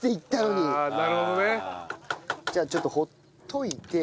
じゃあちょっと放っといて。